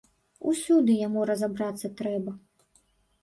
Усюды яму разабрацца трэба.